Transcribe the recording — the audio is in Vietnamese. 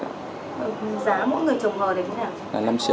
giá mỗi người trồng hờ đến thế nào